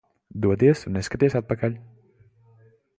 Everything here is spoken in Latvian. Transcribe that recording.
Dodies un neskaties atpakaļ.